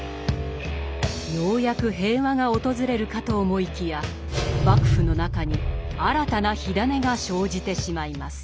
ようやく平和が訪れるかと思いきや幕府の中に新たな火種が生じてしまいます。